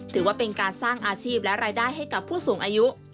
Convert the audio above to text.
ถือว่าเป็นการสร้างอาชีพและรายได้ให้กับผู้สูงอายุ